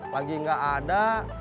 lagi gak ada